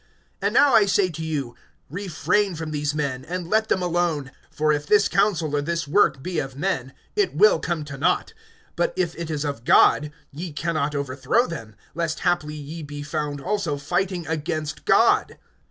(38)And now I say to you, refrain from these men, and let them alone; for if this counsel or this work be of men, it will come to naught; (39)but if it is of God ye can not overthrow them; lest haply ye be found also fighting against God.